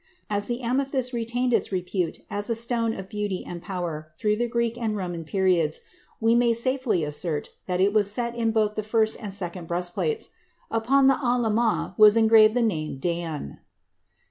As the amethyst retained its repute as a stone of beauty and power through the Greek and Roman periods, we may safely assert that it was set in both the first and second breastplates. Upon the aḥlamah was engraved the name Dan.